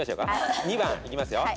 ２番いきますよ。